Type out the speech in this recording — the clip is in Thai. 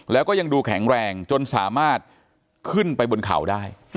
แล้วก็ยังดูแข็งแรงจนสามารถขึ้นไปบนเขาได้